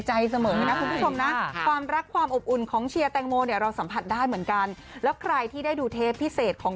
จู่พอเราจะทำงานขึ้นมาสักชิ้นนึง